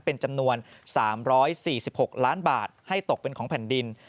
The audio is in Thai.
เป็นจำนวน๓๔๖ล้านบาทให้ตกเป็นของแผ่นดิน